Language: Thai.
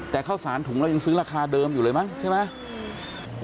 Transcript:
แต่ข้าวสารถุงเรายังซื้อราคาเดิมอยู่เลยมั้งใช่ไหม